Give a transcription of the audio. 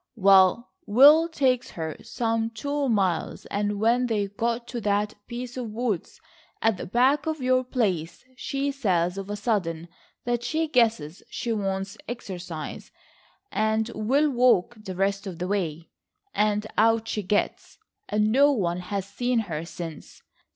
Well, Will takes her some two miles, and when they got to that piece of woods at the back of your place she says of a sudden that she guesses she wants exercise, and will walk the rest of the way, and out she gets, and no one has seen her since.